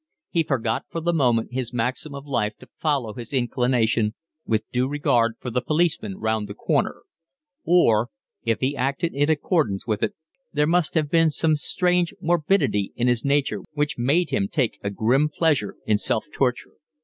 He forgot for the moment his maxim of life to follow his inclinations with due regard for the policeman round the corner; or, if he acted in accordance with it, there must have been some strange morbidity in his nature which made him take a grim pleasure in self torture.